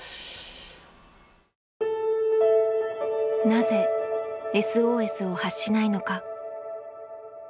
なぜＳＯＳを発しないのか？